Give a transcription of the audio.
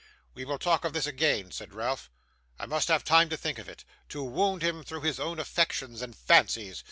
'We will talk of this again,' said Ralph. 'I must have time to think of it. To wound him through his own affections and fancies